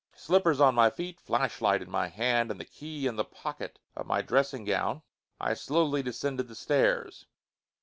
Slippers on my feet, flashlight in my hand and the key in the pocket of my dressing gown, I slowly descended the stairs.